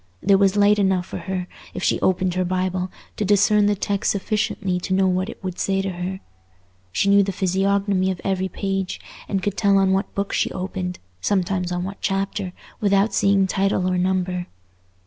There was light enough for her, if she opened her Bible, to discern the text sufficiently to know what it would say to her. She knew the physiognomy of every page, and could tell on what book she opened, sometimes on what chapter, without seeing title or number.